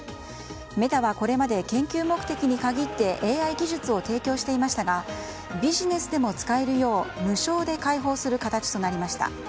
メタはこれまで研究目的に限ってＡＩ技術を提供していましたがビジネスでも使えるよう無償で開放する形となりました。